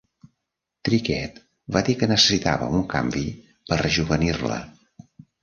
Trickett va dir que necessitava un canvi per rejovenir-la.